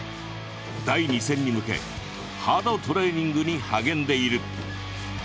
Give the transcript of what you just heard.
第２戦に向けハードトレーニングに励んでいる。